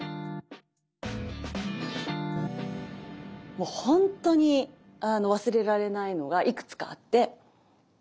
もうほんとに忘れられないのがいくつかあって。